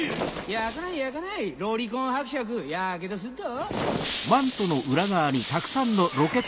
やかないやかないロリコン伯爵ヤケドするぞ！